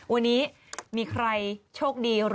วันนี้มีใครโชคดี